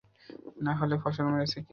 নাহলে ফসল মেরেছে কে?